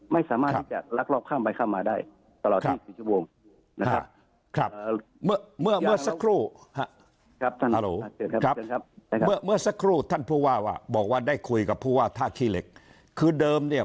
ไม่สามารถที่จะลักลอบข้ามไปข้ามมาได้